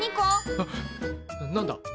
あっ何だ？